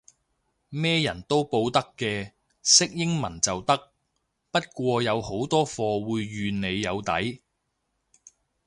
咩人都報得嘅，識英文就得，不過好多課會預你有底